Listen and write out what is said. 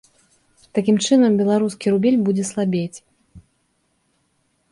Такім чынам, беларускі рубель будзе слабець.